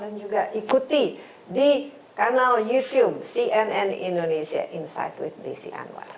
dan juga ikuti di kanal youtube cnn indonesia insight with desi anwar